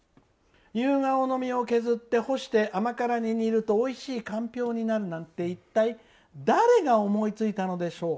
「夕顔の実を削って干して甘辛煮にするとおいしいかんぴょうになるなんて一体、誰が思いついたのでしょう。